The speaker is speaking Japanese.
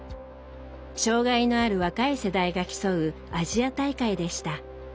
障害のある若い世代が競うアジア大会でした。